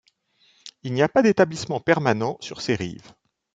Il n'y a pas d'établissement permanent sur ses rives.